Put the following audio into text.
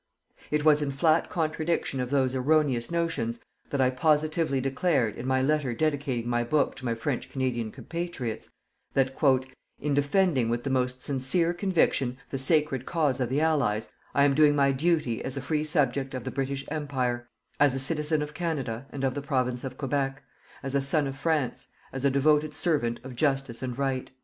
It was in flat contradiction of those erroneous notions that I positively declared, in my letter dedicating my book to my French Canadian compatriots, that "_in defending with the most sincere conviction the sacred cause of the Allies, I am doing my duty as a free subject of the British Empire, as a citizen of Canada and of the Province of Quebec, as a son of France, as a devoted servant of Justice and Right_."